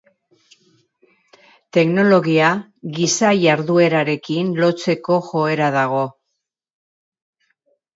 Teknologia giza jarduerarekin lotzeko joera dago.